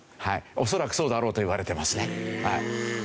恐らくそうだろうといわれてますね。